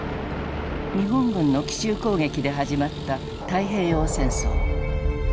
日本軍の奇襲攻撃で始まった太平洋戦争。